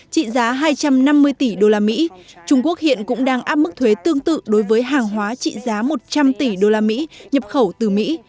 trung quốc hiện cũng đang áp mức thuế tương tự đối với hàng hóa trị giá một trăm linh tỷ đô la mỹ nhập khẩu từ mỹ